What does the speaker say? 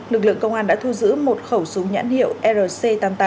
lực lượng công an đã thu giữ một khẩu súng nhãn hiệu rc tám mươi tám